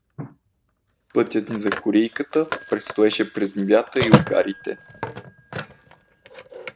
Пътят ни за корийката предстоеше през нивята и угарите.